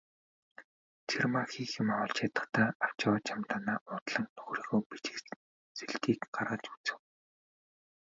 Цэрмаа хийх юмаа олж ядахдаа авч яваа чемоданаа уудлан нөхрийнхөө бичиг сэлтийг гаргаж үзэв.